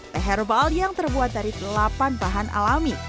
teh herbal yang terbuat dari delapan bahan alami